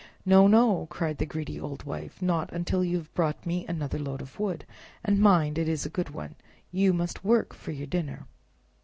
"No, no," cried the greedy old Wife, not till you have brought me in another load of Wood; and mind it is a good one. You must work for your dinner."